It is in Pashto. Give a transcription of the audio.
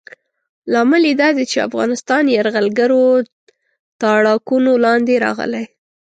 لامل یې دا دی چې افغانستان یرغلګرو تاړاکونو لاندې راغلی.